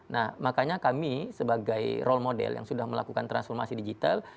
nah makanya kami sebagai role model yang sudah melakukan transformasi digital